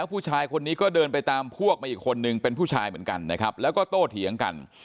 ผู้ชายคนนึงเป็นผู้ชายเหมือนกันนะครับแล้วก็โตเถียงกัน